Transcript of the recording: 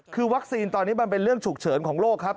คือวัคซีนตอนนี้มันเป็นเรื่องฉุกเฉินของโลกครับ